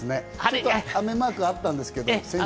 先週は雨マークがあったんですけど。